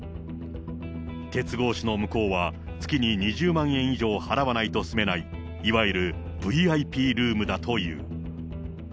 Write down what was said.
鉄格子の向こうは月に２０万円以上払わないと住めない、いわゆるＶＩＰルームだという。